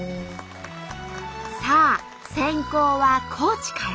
さあ先攻は高知から。